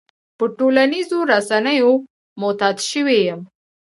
په ټولنيزو رسنيو معتاد شوی يم.